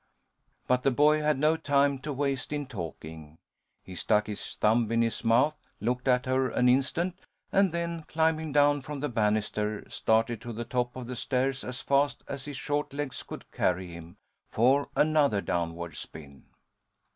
But the boy had no time to waste in talking. He stuck his thumb in his mouth, looked at her an instant, and then, climbing down from the banister, started to the top of the stairs as fast as his short legs could carry him, for another downward spin.